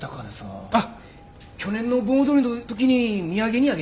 あっ「去年の盆踊りのときに土産にあげた」